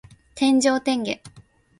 天上天下